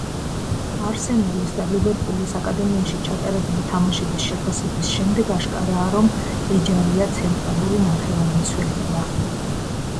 არსენალის და ლივერპულის აკადემიაში ჩატარებული თამაშების შეფასების შემდეგ, აშკარაა, რომ ეჯარია ცენტრალური ნახევარმცველია.